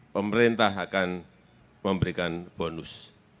pemerintah akan memberikan bonus